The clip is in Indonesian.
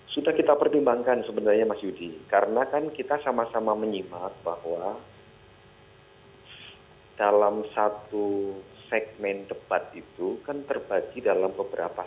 sudah kita pertimbangkan sebenarnya mas yudi karena kan kita sama sama menyimak bahwa dalam satu segmen debat itu kan terbagi dalam beberapa